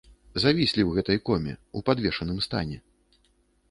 Завіслі ў гэтай коме, у падвешаным стане.